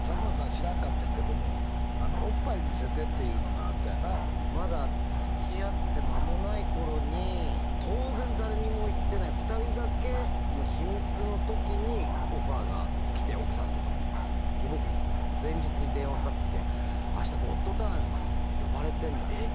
知らんかってんけども「おっぱい見せて」っていうのがあったんやなまだつきあって間もない頃に当然誰にも言ってない２人だけの秘密の時にオファーが来て奥さんのところにで僕前日に電話かかってきて「明日「ゴッドタン」呼ばれてんだけど」